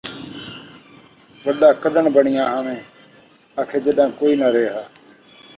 وݙا کݙݨ بݨیا ہاویں ، آکھے جݙاں کوئی ناں ریہا